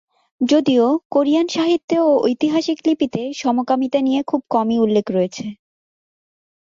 যদিও, কোরিয়ান সাহিত্যে ও ঐতিহাসিক লিপিতে সমকামিতা নিয়ে খুব কমই উল্লেখ রয়েছে।